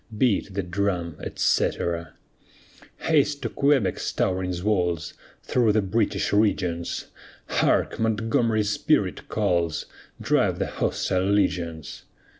Beat the drum, etc. Haste to Quebec's towering walls, Through the British regions; Hark! Montgomery's spirit calls, Drive the hostile legions.